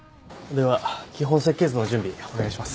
では基本設計図の準備お願いします。